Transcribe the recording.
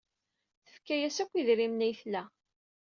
Tefka-as akk idrimen ay tla.